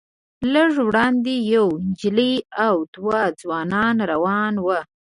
لږ وړاندې یوه نجلۍ او دوه ځوانان روان وو.